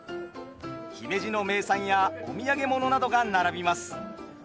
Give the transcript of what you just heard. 姫路の名産やお土産物などが並びます。